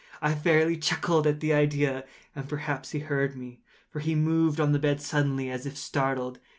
I fairly chuckled at the idea; and perhaps he heard me; for he moved on the bed suddenly, as if startled.